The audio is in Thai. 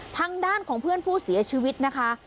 ทางด้านของเพื่อนผู้เสียชีวิตนะคะ